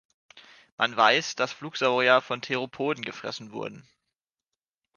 Man weiß, dass Flugsaurier von Theropoden gefressen wurden.